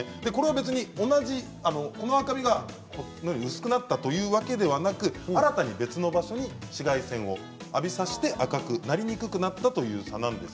左側の赤みが薄くなったというわけではなく新たに別の場所に紫外線を浴びさせて赤くなりにくくなったという差です。